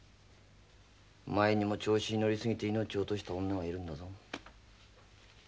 前にも調子に乗りすぎて命を落とした女がいるんだぞ。